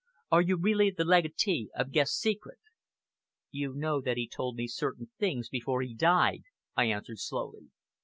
Are you really the legatee of Guest's secret?" "You know that he told me certain things before he died," I answered slowly.